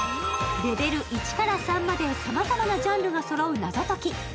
レベル１から３までさまざまなジャンルがそろう謎解き。